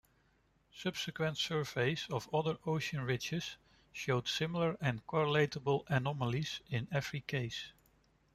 Subsequent surveys of other ocean ridges showed similar and correlatable anomalies in every case.